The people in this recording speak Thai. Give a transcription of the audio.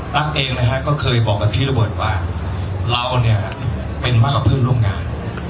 ตั๊กเองนะครับก็เคยบอกมาทีละบ่นว่าเราเนี่ยเป็นมากกว่าเพื่อนร่วมงาน